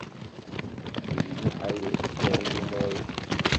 D lmuḥal ad ttuɣ lumuṛ-ik.